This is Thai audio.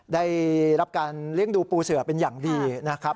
ได้รับการเลี้ยงดูปูเสือเป็นอย่างดีนะครับ